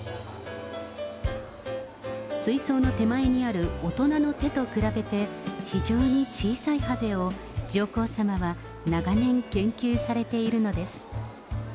水槽の手前にある大人の手と比べて、非常に小さいハゼを、上皇さまは長年、研究されているのです。